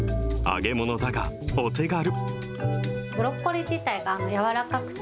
揚げ物だがお手軽。